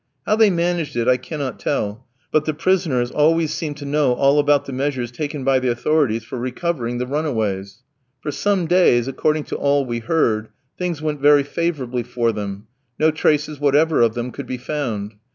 How they managed it I cannot tell, but the prisoners always seemed to know all about the measures taken by the authorities for recovering the runaways. For some days, according to all we heard, things went very favourably for them; no traces whatever of them could be found.